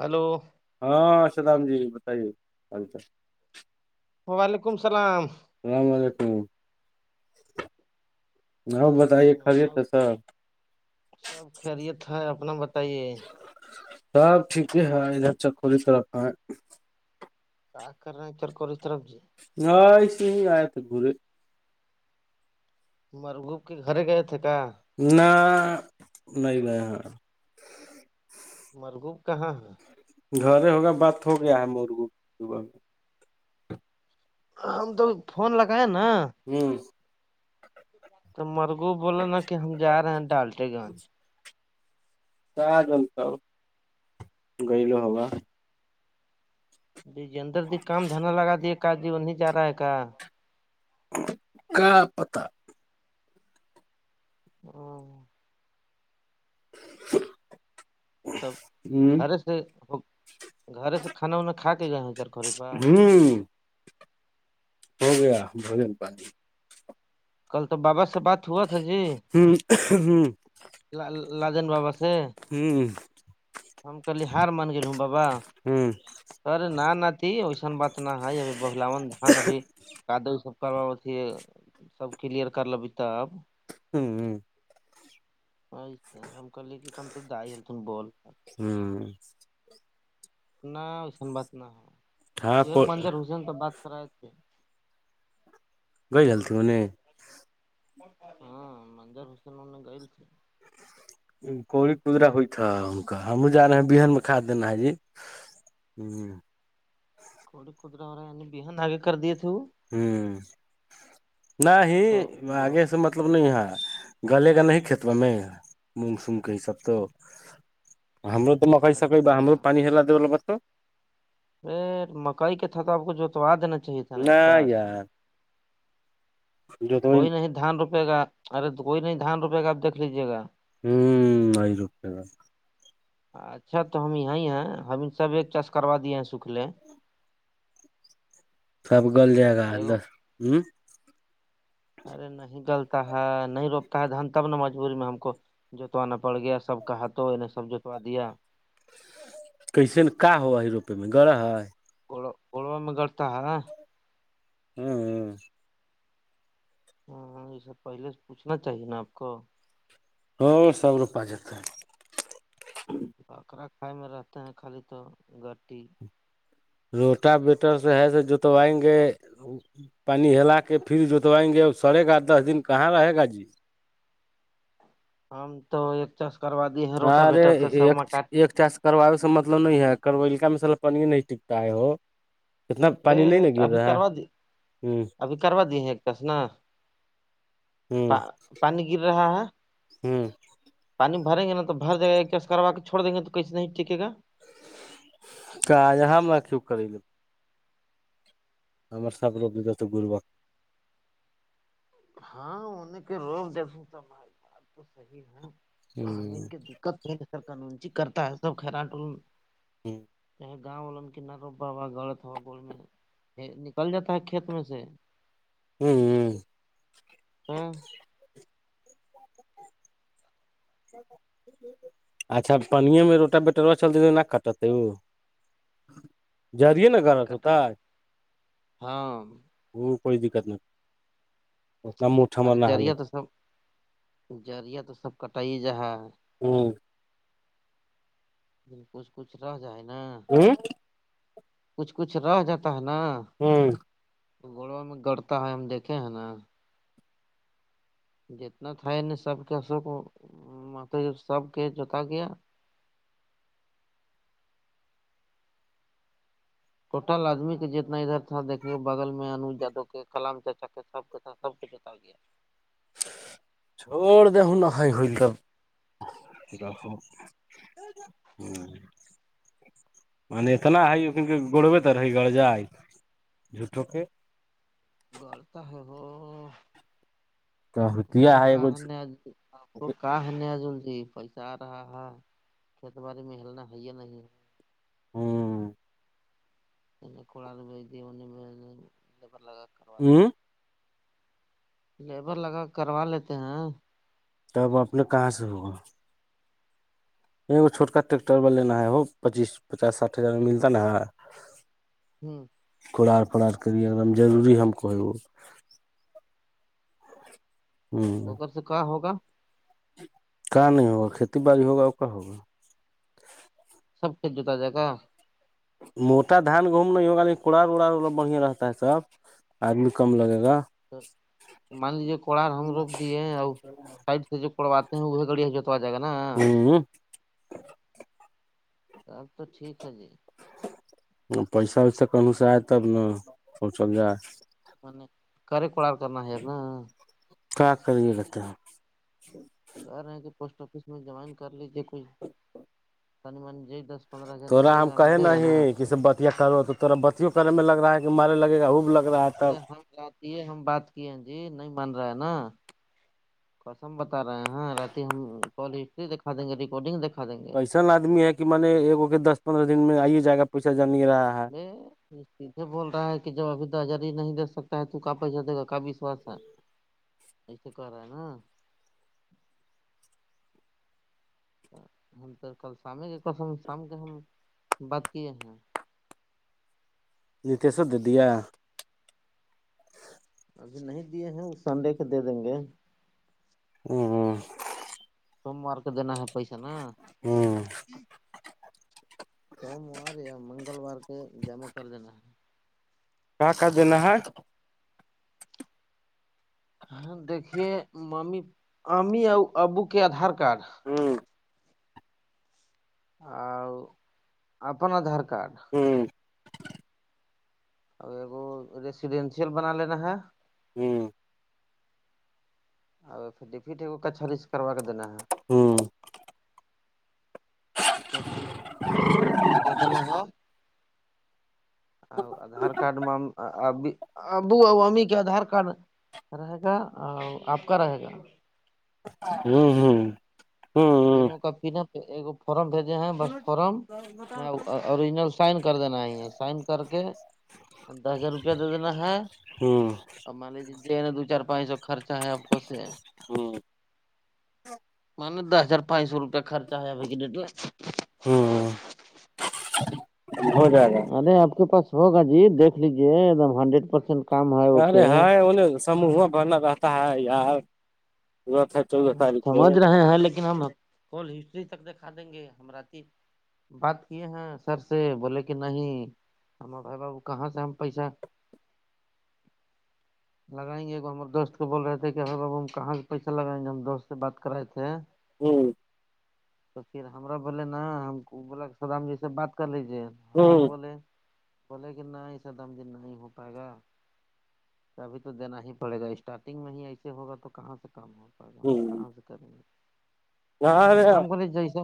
hello ہاں ش رام جی بتائیے ح چال وعلیکم السلام اللام علیکم آؤ بتائیے خرییے اور تھے سر سب خیریت ہے اپنا بتائیے سب ٹھیک ہی ہے ادھر چکی طرف ہیں کا کرن کرکور طرم جی ہ ایسے ہی آیا تھ گورے تارو گوپ کے گھر گئے تھے کیا نہ نہیں نہیں مرگوب کہاں ہے گھر ہوگیا بات ہو گیا ہے مرگو ہم تو فون لگیں نا ھمم تو مرگو بولو نا کہ ہم جا رہے ہیں ڈالتے گا س جنتا ہو گئیل ہوبا ڈیج اندر بھی کام دھرنا لگا دی کا جیون نہیں جا رہا ہے کہ کا پتہ ہ [inaudible] تب ہ گھرے سے ہو گھرے سے کھانا وانا کھ کے گئے ہیں چرخوری پرا ھمم [unintelligible] ہو گیا بھوجن پانی کل تو بابا سے بات ہوا تھا جی ہ ہ لجن بابا سے ہوں [unintelligible] ہم کل ہار مان گ ہ بابا ھمم [unintelligible] سر نہ نتی وسان بات نہ ہے ابھی بہلاون دان ابھی [unintelligible] کادو سب کروا اتیھی سب کلیئر کر لیبھی تب ہوں [unintelligible] ایس ہم کہے کہ کن تو ج بال [unintelligible] ہوں [unintelligible] اتنا وسن بات نہ ہاں ہے کو مظر ہو ن تو بات کرا تھتے [unintelligible] گئی حالتیوں میں ہاں مظر حسین نے گئےل سے کوڑی کودرا ہوئیت ہے کا ہم جا رہے ہیں بہن میں کھ دینا جی ہوں [unintelligible] تھڑی کدرا ہو رہا بہان داگے کر دیے تھے وہ ہوں نہیں آگے س مت مطلب نہیں یہاں گالے گ نہیں کھیتبا میں مونگ سگ کے یہ سب تو ہمر تو مکئی سکئی ب ہمر پانی ہےلا دول بات تو ار مکائی کاط آپ کو جوتوا دینا چاہیے تھا نہیں ار [unintelligible] ہوں کوئی نہیں دھان روپے گا ارے کوئی نہیں دھان روپے گا آپ دیکھ لیجیے گا ہوں نہیں روپے گا [unintelligible] اچھا تو ہم یہ ہی ہیں ہم سب ایک چاش کروا دیے ہیں سکھ لے سب گل جائے گا ایگو دس ھمم ارے نہیں گلتا ہے نہیں روکتا ہے دن تب ن مجبوری میں ہم کو جتوانا پڑ گیا سب کہاتھوں انیں سب جوتوا دیا کیسے ن کا ہوا ہے روپے میں گڑا ہے گڑ اڑوا میں گتا ہے ھمم ھمم [unintelligible] ہاں یہ سب پہلے سے پوچھنا چاہیے نا آپ کو ہو سب روپا جتا ہے [unintelligible] باکرا کھائے میں رہتے ہیں خالی تو گٹی روٹا بیٹر سے ہے س جوتوائیں گے پانی ہلا کے پھر جوتوائیں گے سڑے گا دس دن کہاں رہے گا جی ہم تو ایک چس کروا دیے ہیں ہاں روٹا ارے بیٹر سے سب ایک مکاٹ ایک چس کروائےے سے مطلب نہیں ہے کرویلکا میں س پن نہیں ٹکتا ہے ہو [unintelligible] اتنا پانی نہیں نا بیٹ گر رہا ھمم ابھی کروا دی ہیں ایک کس نا [unintelligible] پ ہ پانی گر رہا ہے ہ پانی بھریں گے نہ تو بھر جائے گا ایکس کروا کے چھڑ دیں گے تو کہسے نہیں ٹکےا [unintelligible] کاج ہاںامکھی کری ہمار سپرب ج گربک [unintelligible] ہاں انہ کے روک جس بات تو صحیح ہے ین ہ کی دقت نہیں سر قانونی کرتا ہے سب خر ول ھمم چاہے گاؤں والا کنا روب ہوا گڑت ہوا گول میں نکل جاتا ہے کھیت میں سے ھمم ہاں اچھا پن میں روٹ بیٹروا چل کٹ [unintelligible] نہیں گغلط کاتا ہوتا ہاں وہ کوئی دقت نہیں اتنا مٹمر ارے نہ حلے جرییا تو سب جرییا تو سب کٹائی ج ہے ھمم کچھ کچھ رہ جائے نا ہ کچھ کچھ رہ جاتا ہے نا ھمم گوڑو میں گڑتا ہے ہم دیکھ ہیں نا جتنا تھا ان سب کے او کو سب کے جوتا گیا ٹوٹل آدمی کے جتنا ادھر تھا دیکے بغل میں انو جادو کے کلام چچا کے سب کا تھا سب جتؤ گ ہے چھڑ د ہ نہائی ہوتا ھمم مان اتنا ہے ان کے گڑبےت رہی گرجا جھوٹوں کے گڑتا ہے وہ [inaudible] جا رہا ہے کھیتی باڑی میں ہلنا ہے یہ نہیں ہے ہاں کڑاال ب دی ب ڈبر لگ کر ھمم لیبر لگا کے کروا لیتے ہیں تب اپنے کہاں سے ہوگا یہ چھوٹا ٹریکٹر وال لینا ہے وہ پچیس پچاساٹھ ہزار میں ملتا نا ھمم کوورار پنار کریے ایک دم ضروری ہم کہ توک سے کہاں ہوگا کہاں نہیں ہوگا کھیتی باڑی ہوگا اور کا ہوگا سب ک جوتا جگا موٹا دھان گوم نہیں ہوگا ل کوڑا وڑاب بڑھیا رہتا ہے سب آدمی کم لگے گا مان لیجیے کوڑار ہم روپ دیے اور سائڈ سے جو کڑواتے ہیں وہ گڑیا جو جائے گا نا سب تو ٹھیک ہے جی پیسہ ویسا کہوں سے آئے تب ن پہنچل جائے م کے کوڑار کرنا ہے نا [unintelligible] کیا کرے رہتا ہے کہ رہے ہیں کہ پوسٹ آفس میں جوائن کر لیجیے کوئی سانیمان دس پندرہ ہزار تا ملے ہم گا کہے ملے گا نا نہیں کہسی بتیا کرو تو تورا بتوں کرنے میں لگ رہا ہے کہ مارے لگے گا وہب لگ رہا ہے ارے تب ہم جتی ہے ہم بات کیے جی نہیں مان رہا ہے نا کسم بتا رہے ہیں ہاں رات ہم کال ہسٹری دکھا دیں گے ریکارڈنگ دکھا دیں گے اسن آدمی ہے کہ مے اگو کے دس پندرہ دن میں آے جا پیسا جان رہا ہے سیدھے بول رہا ہے کہ جب ابھی درجاری نہیں دے سکتا ہے تو کا پیسہ دے گا کا وشواس ہے ایسے کر رہا ہے نا ہم تو کل شام کے کس ہم شام کے ہم بات کیے ہیں نیتیشو دیدیا [unintelligible] ابھی نہیں دیے ہیں وہ سنڈے کے دے دیں گے ا ہ سوم وارک دینا ہے پیسہ نا [unintelligible] ہ سوموار یا منگلوار کو جمع کر دینا ہے کہ کا دین ہ [unintelligible] ہاں دیکے م می اور ابو کے آدھار کارڈ ہ آ اپن آدھار کارڈ [unintelligible] ھمم ا ایکگو ریسیڈینشیل بنا لینا ہے ھمم ابھر ڈٹ کچھاس کروا کے دینا ہے ھمم اتنا چیز اتنا چیز دے دینا ہے آدھار کارڈ م اب ابو اور امی کے آدھار کارڈ رہے گا اور آپ کا رہے گا ھمم ھممم تینوں کا پن فارم بھیجے ہیں بس فارم میں اوریجنل سائن کر دینا ہے ہے سائن کر کے دس ہزار روپیہ دے دینا ہے [unintelligible] ہاں اب مان لیجے ج نا دو چار پانچ سو خرچہ ہے آپ کو سے ہاں م نے دس ہزار پانچ سو روپیہ خرچا آ ب ڈی ہ ہو جائے گا ارے آپ کے پاس ہوگا جی دیکھ لیجے ایک دم ہنڈریڈ پرسینٹ کام ہے اوک ولے سموہ بننا رہتا ہے یار چودہ ہم تاریخ کے سمجھ رہے ہیں لیکن ہم ہول ہسٹری تک دکھا دیں گے ہمرات بات کیے ہیں سر سے بولولے کہ نہیں ہماں بھائی بابو کہاں سے ہم پیسہ [unintelligible] لگائیں گے ہم دوست بول رہے کہ ار بابوا کہاں سے پیسہ لگائیں گے ہم دوست سے بات کر رہے تھے ھمم تو پھر ہمرا بولے نا ہم ا بولے سدام جی سے بات کر لیجے ہم بھی ہ بولے بولے کہ نہ ایسا دم ج نہیں ہو پائے گا ابھی تو دینا ہی پڑے گا اسٹارٹنگ میں ہی ایسے ہوگا تو کہاں سے کم ہوگا ہ کہاں سے کریں گے نہ ارے ہم کوے جیسے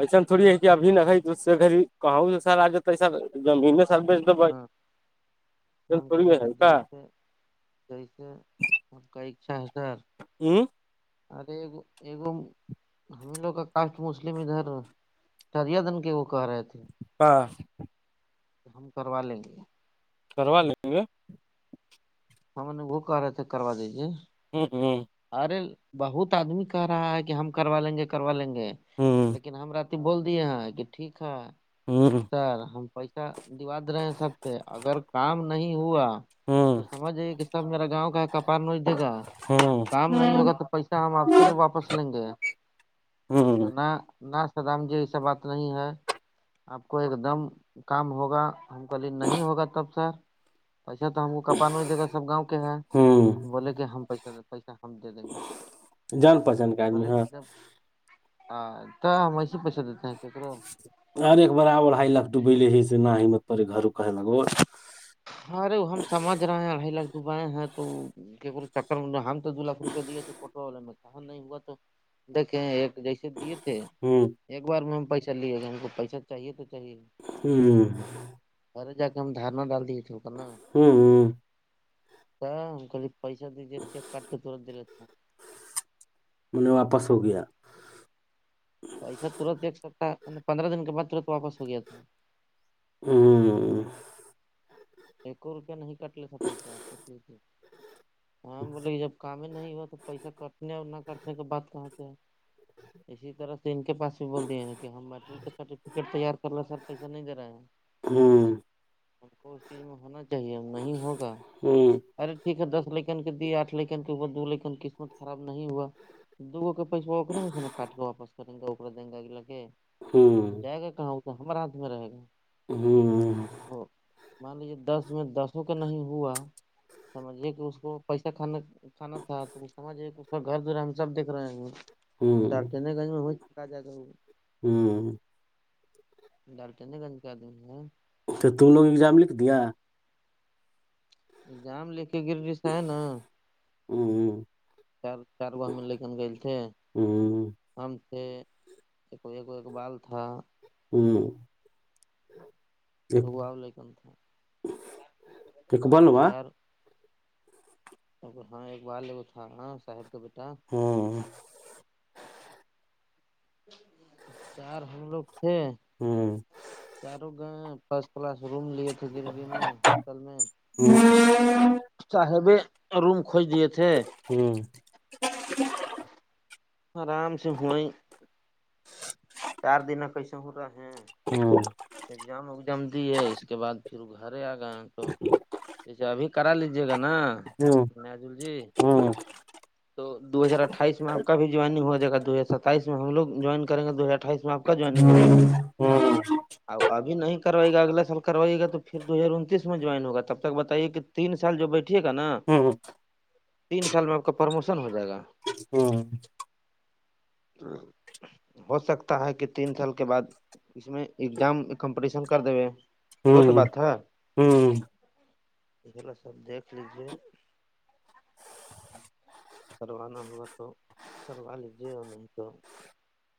ایسن تھوڑی ہے کہ اب ن نہ گئیس سے گ کہا سا زمین س بیچ دب ہاں ہم تھوڑی ہے بولے کہ کیا جیسے جیسے ہم کا اچھا ہے سر ہوں ارے ایکم ہم لوگ کا کاسٹ مسلم ادھر ریا دن کے وہ کہہ رہے تھے ہاں تو ہم کروا لیں گے پرواے ہاں میں نے وہ کہ رہے تھے کروا دیجیے ہوں ہوں ارے بہت آدمی کہ رہا ہے کہ ہم کروا لیں گے کروا لیں گے ہ ہ لیکن ہم رتی بول دیے ہیں کہ ٹھیک ہے ہوں [unintelligible] سر ہم پیسہ دوا د رہے ہیں سب سے اگر کام نہیں ہوا [unintelligible] تو سمجھے کہ سب میرا گاؤں کا کپار نوچ دے گا ہاں [unintelligible] کام نہیں ہوگا تو پیسہ ہم آپ سے واپس لیں گے س ہوں نہ نہ سر رام جی ایسا بات نہیں ہے آپ کو ایک دم کام ہوگا ہم کلے نہیں ہوگا تب سر پیسا تو ہمو کپانو جگا س گاؤں ہوں بولے کہ ہم پس پیسہ ہم دے دیں گے [unintelligible] جان پہچان کا آدمی ہاں ہاں تو مے پیسہ دیتا ہیں ککرا ہر ایک بڑا اڑھ لک ڈوبیلے ہی سے نہات پے گھر کہ لگ وہ ہاںرے ہم سمجھ رہے ہیں اڑھائی لاکھ ڈبائیں ہیں تو چ م ہم تو دو ل روپ دے تو کوٹوا میںا نہیں ہوا تو دیکھے ایک جیسے دیے تھے [unintelligible] ہوں [unintelligible] ایک بار میں ہم پیسہ لیے گا ہم کو پیسہ چاہیے تو چاہے ہوں [unintelligible] پرے جا کے ہم دارنا ڈال دیے تھو کر نا ہوں ہ [unintelligible] کیا ہم کلی پیسہ د دے چیک کاٹ کے تورت دل ن م واپاس ہو گیا [unintelligible] پیسہ ترنت دیک سکتا ہے میں نے پندرہ دن کے بعد ترت واپس ہو گیا تھا ہ [inaudible] ایکو روپیہ نہیں کاٹ لیتا پیسہ س ہاں بولے کہ جب کام نہیں ہوا تو پیسہ کٹنے اور نہ کٹنے کے بد کہاں سے ہیں [unintelligible] ہ [inaudible] اسی طرح سے ان کے پس بھی بول دیے ہیں کہ ہم میٹرک سرٹیفکیٹ تیار کر ل سر پیسہ نہیں د رہے ہیں ہاں [unintelligible] خ کو اس چیز میں ہونا چاہیے نہیں ہوگا ہاں [unintelligible] ارے ٹھیک ہے دس لیکن کے دی آٹ لیکن کے اوپر دو لیکن قسمت خراب نہیں ہوا [unintelligible] دوگو کے پیسےے میں سےا کاٹ کے واپس کریں گےا دیں گے اگ لے کے ہوں جائے گا کہاں ا تو ہمار ہاتھ میں رہے گا ا مان لیجیے دس میں دسوں کا نہیں ہوا سمجھیے کہ اس کو پیسہ کھانا ھانا تھا تو سمجھئے اس کا گھر دھرا ہم سب دیکھ رہے ہیں ہوں دارکندر گنج میں وہکا جائے گا وہ ہوں [unintelligible] ڈال تنے گنج کراد ہے تو تم لوگ ایگزام لکھ دیا جام لے کے گررییسا ہے نا [unintelligible] ہ [inaudible] چ چار گو ہمیں لےیکن گئےل تھے [unintelligible] ہوں ہم سے ا بال تھا [unintelligible] ہوں [unintelligible] ایک- بوالے ک تھایں اقبال ہوا چار [unintelligible] ا ہاں ایک بار لےگ تھا صاحب کا بیٹا [unintelligible] ہاں [unintelligible] چار ہم لوگ تھے ہوں چاروں گا [unintelligible] فرسٹ کلاس روم لیے تھے گروی میں ہوٹل میں ہ صاحبے روم کھوج دیے تھے ہوں آرام سے ہویں چار دن کیسے ہو رہا ہیں ہاں اگزام اگزام دیے اس کے بعد پھر وہ گھر ہی آ گئے ہیں تو جیسے ابھی کرا لیجیے جگ نا ہوں نجول جی ہوں تو دو ہزار اٹھائی میں آپ کا بھی جوائنگ ہو جائےا دو ہزار ستائیس میں ہم لوگ جوائن کر گ دو ہز اٹھائیس میں آپ کا جوانی ہو ہوں جائے گا ا ابھی نہیں کروائے گا اگلا سال کروائیے گا تو پھر دو ہزار انتیس میں جوائن ہوگا تب تک بتائیے کہ تین سال جو بیٹھیے گا نا ہوں تین سال میں آپ کا پروموشن ہو جائے گا ہو سکتا ہے کہ تین سال کے بعد اس میں ایگزام کمپٹیشن کر دیوے یہ تو ہوں بات ہے ہوں ال سب دیکھ لیجے سرو ن ہوگ تو سروال جین تو